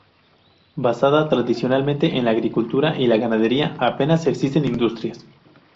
Basada tradicionalmente en la agricultura y la ganadería, apenas existen industrias.